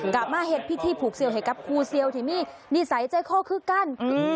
มาเห็นพิธีผูกเสี่ยวให้กับครูเซียวที่มีนิสัยใจคอคือกัน